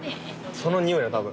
そのにおいだ多分。